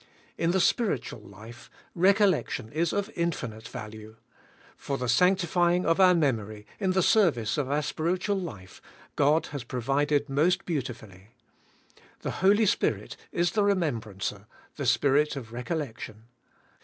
In the spiritual life, recollection is of infinite value. For the sanctifying of our memory, in the service of our spiritual life, God has provided most beautifully. The Holy Spirit is the remembrancer, the Spirit of recollection.